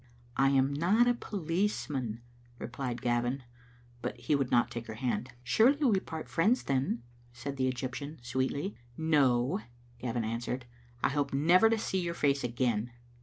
" I am not a policeman," replied Gavin, but he would not take her hand. " Surely, we part friends, then?" said the Egyptian, sweetly. "No," Gavin answered. "I hope never to see your face again."